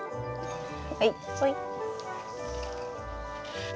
はい。